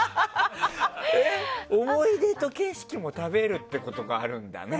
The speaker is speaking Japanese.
思い出と景色も食べるってことがあるんだね。